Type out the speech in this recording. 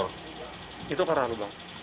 karena cuaca yang panas itu